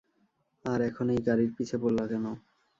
আর এখন এই গাড়ির পিছে পড়লা কেন?